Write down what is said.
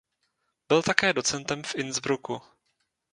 Byl také docentem v Innsbrucku.